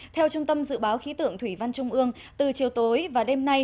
theo trung tâm dự báo khí tượng thủy văn trung ương từ chiều tối và đêm nay